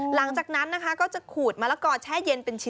หลังจากนั้นนะคะก็จะขูดมะละกอแช่เย็นเป็นชิ้น